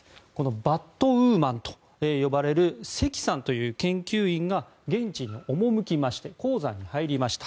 バットウーマンと呼ばれるセキさんという研究員が現地に赴きまして鉱山に入りました。